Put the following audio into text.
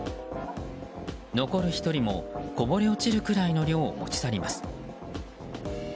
残る１人もこぼれ落ちるくらいの量を持ち去ります。